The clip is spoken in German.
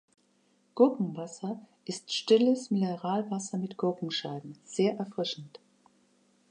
Gurkenwasser ist stilles Mineralwasser mit Gurkenscheiben – sehr erfrischend!